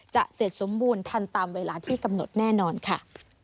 เสร็จสมบูรณ์ทันตามเวลาที่กำหนดแน่นอนค่ะ